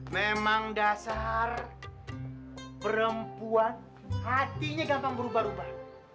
memang dasar perempuan hatinya gampang berubah ubah